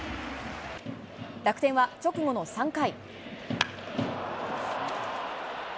楽天は直後の３回。